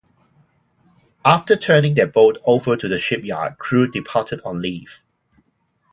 After turning their boat over to the shipyard, crew departed on leave.